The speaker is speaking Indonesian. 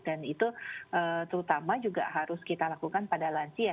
dan itu terutama juga harus kita lakukan pada lansia